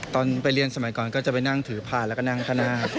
ตอนไปเรียนสมัยก่อนก็จะไปนั่งถือผ่านแล้วก็นั่งข้างหน้าครับ